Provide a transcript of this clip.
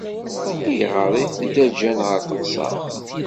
Ayɣer ay tedda Jane ɣer teɣsert?